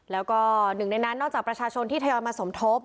แล้วก็หนึ่งในนั้นนอกจากประชาชนที่ทยอยมาสมทบ